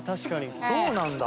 そうなんだ。